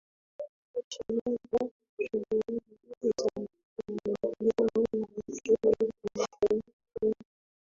kurudisha nyuma shughuli za kimaendeleo na uchumi wa mataifa mengi